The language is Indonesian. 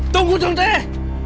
tunggu dong teh